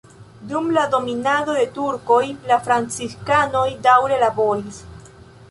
Dum dominado de turkoj la franciskanoj daŭre laboris.